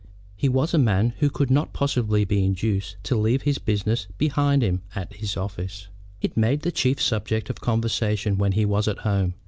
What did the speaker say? He was a man who could not possibly be induced to leave his business behind him at his office. It made the chief subject of conversation when he was at home.